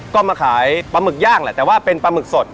ก็มาขายปลาหมึกย่างแหละแต่ว่าเป็นปลาหมึกสด